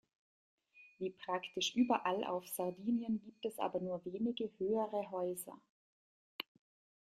Wie praktisch überall auf Sardinien gibt es aber nur wenige höhere Häuser.